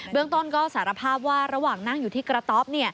เรื่องต้นก็สารภาพว่าระหว่างนั่งอยู่ที่กระต๊อบ